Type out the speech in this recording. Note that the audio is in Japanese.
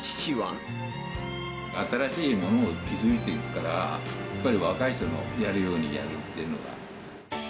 新しいものを築いていくから、やっぱり若い人のやるようにやるっていうのが。